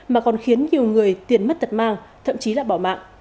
mà còn khiến nhiều người tiền mất tật mang thậm chí là bỏ mạng